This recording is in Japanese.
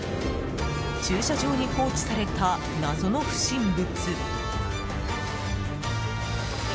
駐車場に放置された謎の不審物。